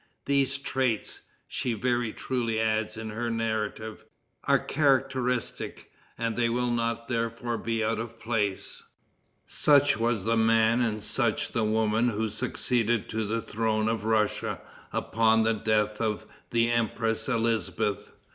"These traits," she very truly adds in her narrative, "are characteristic, and they will not therefore be out of place." Such was the man and such the woman who succeeded to the throne of Russia upon the death of the Empress Elizabeth.